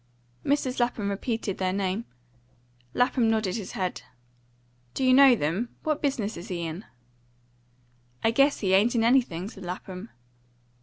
Mrs. Lapham repeated their name. Lapham nodded his head. "Do you know them? What business is he in?" "I guess he ain't in anything," said Lapham.